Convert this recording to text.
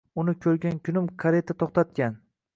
Uni ko‘rgan kunim kareta to‘xtatgan